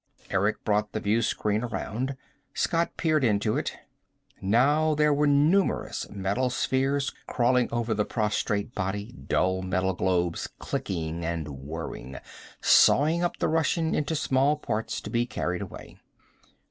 Eric brought the view screen around. Scott peered into it. Now there were numerous metal spheres crawling over the prostrate body, dull metal globes clicking and whirring, sawing up the Russian into small parts to be carried away.